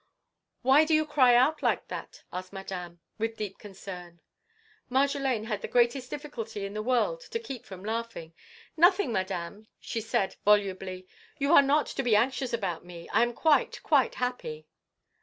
"Why do you cry out like that?" asked Madame, with deep concern. Marjolaine had the greatest difficulty in the world to keep from laughing. "Nothing, Maman!" she said, volubly. "You are not to be anxious about me. I am quite, quite happy."